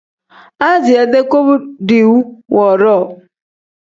Aziya-dee koba diiwu woodoo.